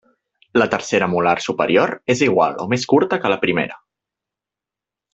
La tercera molar superior és igual o més curta que la primera.